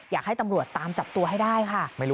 อยากให้ตำรวจตามจับตัวให้ได้ค่ะ